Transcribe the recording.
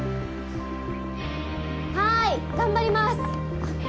はい頑張ります！